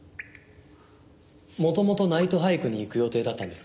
元々ナイトハイクに行く予定だったんですか？